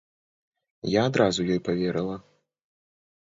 Я адразу ёй паверыла.